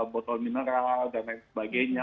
botol mineral dan lain sebagainya